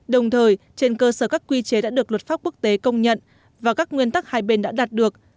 đồng thời trên cơ sở các quy chế đã được luật pháp quốc tế công nhận và các nguyên tắc hai bên đã đạt được